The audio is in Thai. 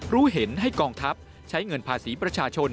รู้เห็นให้กองทัพใช้เงินภาษีประชาชน